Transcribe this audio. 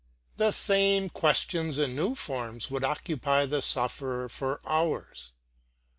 " The same questions in new forms would occupy the sufferer for hours.